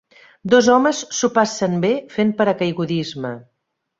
Dos homes s"ho passen bé fent paracaigudisme.